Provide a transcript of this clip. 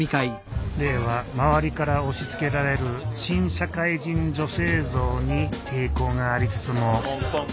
玲は周りから押しつけられる新社会人女性像に抵抗がありつつもポンポン。